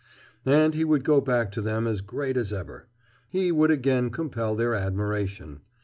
And he would go back to them as great as ever. He would again compel their admiration.